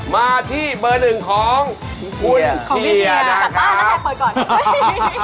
มาที่เบอร์หนึ่งของคุณเชียนะคะจัดการกระทั่งเปิดก่อน